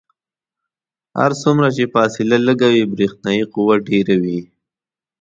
هر څومره چې فاصله لږه وي برېښنايي قوه ډیره وي.